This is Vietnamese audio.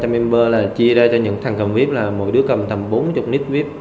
hai trăm linh member là chia ra cho những thằng cầm vip là mỗi đứa cầm tầm bốn mươi nít vip